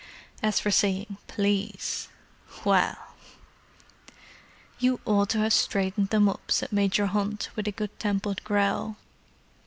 As for saying "Please—well——" "You ought to have straightened them up," said Major Hunt, with a good tempered growl.